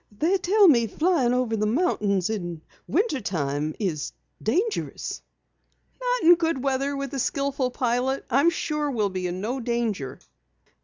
"They tell me flying over the mountains in winter time is dangerous." "Not in good weather with a skilful pilot. I am sure we will be in no danger."